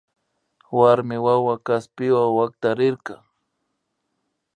Warmi wawa kaspiwa waktarirka